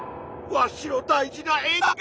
わしの大事な枝が！